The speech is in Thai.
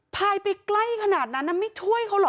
พายไปใกล้ขนาดนั้นไม่ช่วยเขาเหรอ